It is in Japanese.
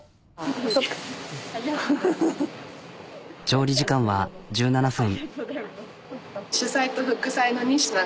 調理時間は１７分。